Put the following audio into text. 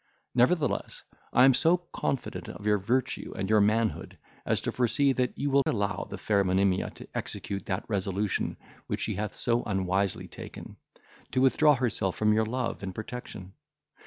Nevertheless, I am so confident of your virtue and your manhood, as to foresee, that you will allow the fair Monimia to execute that resolution which she hath so unwisely taken, to withdraw herself from your love and protection.